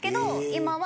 今は。